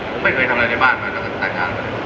ผมไม่เคยทำอะไรในบ้านไหมแต่ก็แต่งงานเลย